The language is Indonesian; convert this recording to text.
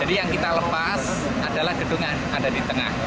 jadi yang kita lepas adalah gedungan ada di tengah